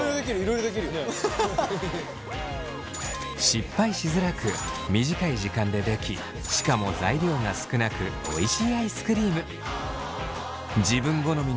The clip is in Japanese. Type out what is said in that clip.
失敗しづらく短い時間でできしかも材料が少なくおいしいアイスクリーム。